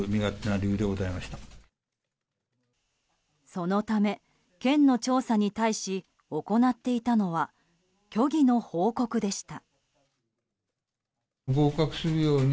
そのため県の調査に対し行っていたのは虚偽の報告でした。